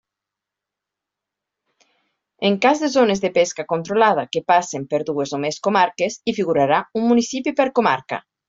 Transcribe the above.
En cas de zones de pesca controlada que passen per dues o més comarques, hi figurarà un municipi per comarca.